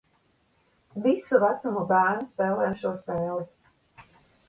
Visu vecumu bērni spēlē šo spēli